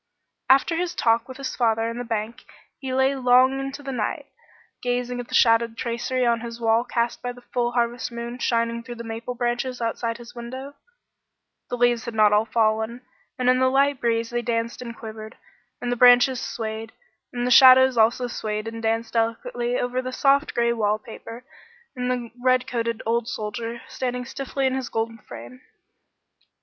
After his talk with his father in the bank he lay long into the night, gazing at the shadowed tracery on his wall cast by the full harvest moon shining through the maple branches outside his window. The leaves had not all fallen, and in the light breeze they danced and quivered, and the branches swayed, and the shadows also swayed and danced delicately over the soft gray wall paper and the red coated old soldier standing stiffly in his gold frame.